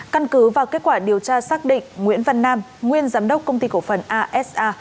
căn cứ và kết quả điều tra xác định nguyễn văn nam nguyên giám đốc công ty cổ phần asa